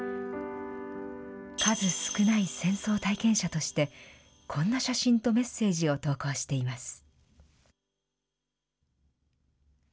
数少ない戦争体験者として、こんな写真とメッセージを投稿しています。